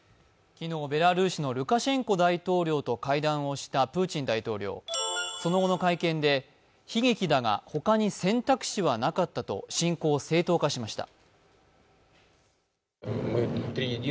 昨日ベラルーシのルカシェンコ大統領と会談をしたプーチン大統領その後の会見で悲劇だがほかに選択肢はなかったと侵攻を正当化しました。